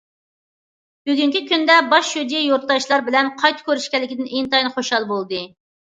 بۈگۈنكى كۈندە باش شۇجى يۇرتداشلار بىلەن قايتا كۆرۈشكەنلىكىدىن ئىنتايىن خۇشال بولدى.